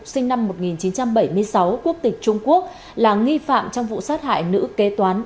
sinh năm một nghìn chín trăm bảy mươi sáu quốc tịch trung quốc là nghi phạm trong vụ sát hại nữ kế toán